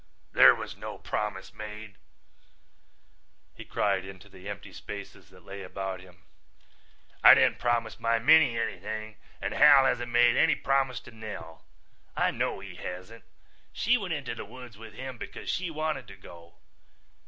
"There was no promise made," he cried into the empty spaces that lay about him. "I didn't promise my Minnie anything and Hal hasn't made any promise to Nell. I know he hasn't. She went into the woods with him because she wanted to go.